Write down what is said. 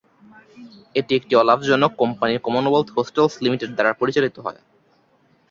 এটি একটি অলাভজনক কোম্পানি কমনওয়েলথ হোস্টেলস লিমিটেড দ্বারা পরিচালিত হয়।